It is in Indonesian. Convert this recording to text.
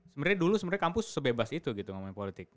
sebenarnya dulu sebenarnya kampus sebebas itu gitu ngomongin politik